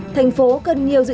thành phố cần nhiều dự án